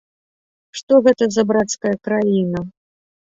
Што гэта за брацкая краіна?